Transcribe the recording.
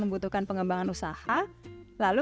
membutuhkan pengembangan usaha lalu